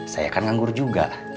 saya kan nganggur juga